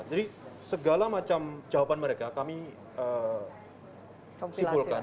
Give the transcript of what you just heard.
jadi segala macam jawaban mereka kami simpulkan